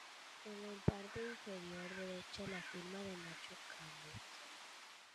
En la parte inferior derecha la firma de Nacho Canut.